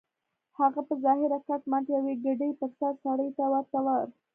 هغه په ظاهره کټ مټ يوې کډې پر سر سړي ته ورته و.